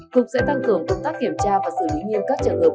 cục sẽ tăng cường công tác kiểm tra và xử lý nghiêm các trường hợp